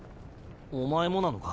お前もなのか？